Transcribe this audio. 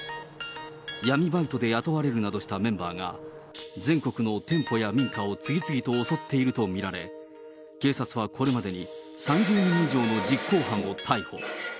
闇バイトで雇われるなどしたメンバーが、全国の店舗や民家を次々と襲っていると見られ、警察はこれまでに、３０人以上の実行犯を逮捕。